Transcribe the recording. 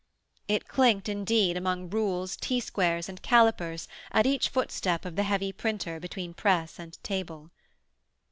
It clinked indeed among rules, T squares and callipers at each footstep of the heavy printer between press and table.